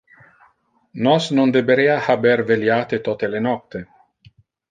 Nos non deberea haber veliate tote le nocte.